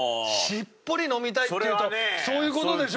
「しっぽり飲みたい」っていうとそういう事でしょ？